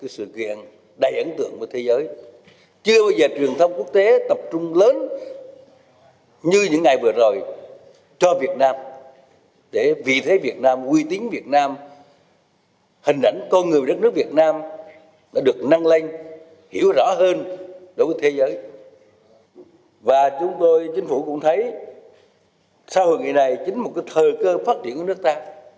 sau hội nghị này chính một cái thờ cơ phát triển của nước ta